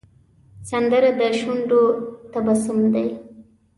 سندره د شونډو تبسم دی